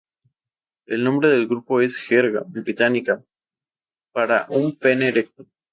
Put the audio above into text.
El nombre del grupo es jerga británica para un pene erecto.